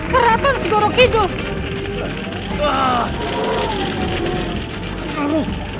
keraton segorok hidup